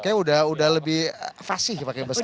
kayaknya udah lebih fasih pakai beskap sekarang